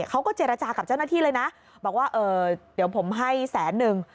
เขาก็เจรจากับเจ้าหน้าที่เลยนะบอกว่าเออเดี๋ยวผมให้แสนนึง